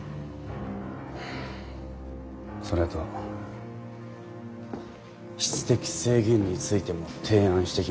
それと質的制限についても提案してきましたが。